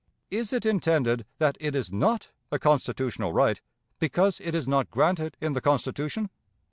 Is it intended that it is not a constitutional right, because it is not granted in the Constitution?